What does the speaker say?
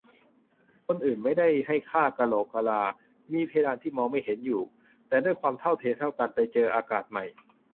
คนอื่นก็ไม่ได้ให้ค่า "กะโหลกกะลา" มีเพดานที่มองไม่เห็นอยู่ แต่ด้วยความทุ่มเทเท่ากัน ไปเจออากาศใหม่